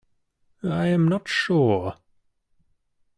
I am not sure.